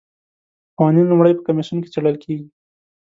قوانین لومړی په کمیسیون کې څیړل کیږي.